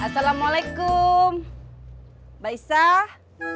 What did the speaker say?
assalamualaikum mbak isah